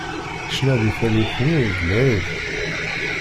Ccna di tallit nni d lεib.